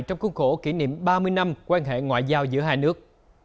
trong khuôn khổ kỷ niệm ba mươi năm quan hệ ngoại giao giữa hai nước